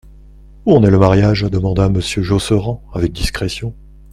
Où en est le mariage ? demanda Monsieur Josserand avec discrétion.